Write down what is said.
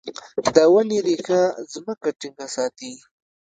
د ونې ریښه ځمکه ټینګه ساتي.